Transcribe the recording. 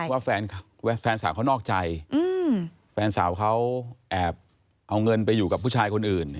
ว่าแฟนสาวเขานอกใจแฟนสาวเขาแอบเอาเงินไปอยู่กับผู้ชายคนอื่น